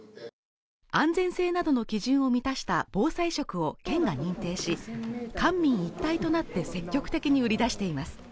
安全性などの基準を満たした防災食を県が認定し官民一体となって積極的に売り出しています